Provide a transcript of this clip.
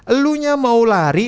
elunya mau lari